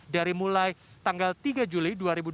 dari mulai tanggal tiga juli dua ribu dua puluh